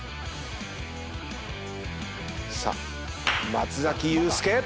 松崎祐介